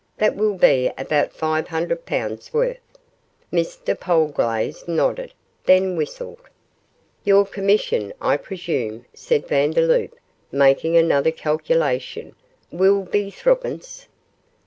That will be about five hundred pounds' worth.' Mr Polglaze nodded; then whistled. 'Your commission, I presume,' said Vandeloup, making another calculation, 'will be threepence?